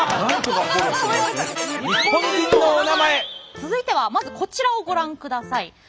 続いてはまずこちらをご覧ください。